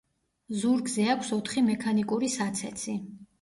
ზურგზე აქვს ოთხი მექანიკური საცეცი.